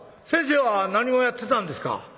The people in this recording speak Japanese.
「先生は何をやってたんですか？」。